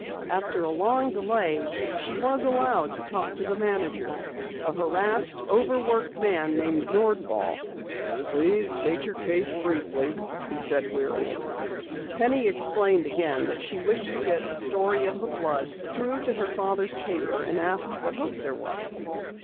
After a long delay she was allowed to talk to the manager, a harassed, over worked man named Nordwall. "Please state your case briefly," he said wearily. Penny explained again that she wished to get a story of the flood through to her father's paper, and asked what hope there was.